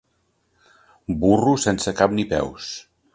Burro sense cap ni peus.